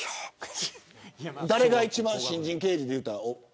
誰が一番新人刑事っていったら。